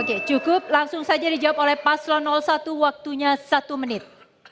oke cukup langsung saja dijawab oleh paslon satu waktunya satu menit